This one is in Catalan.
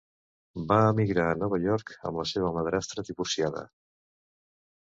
Va emigrar a Nova York amb la seva madrastra divorciada.